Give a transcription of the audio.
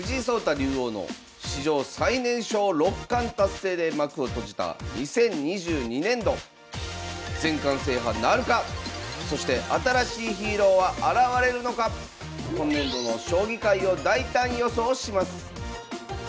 竜王の史上最年少六冠達成で幕を閉じた２０２２年度そして新しいヒーローは現れるのか⁉今年度の将棋界を大胆予想します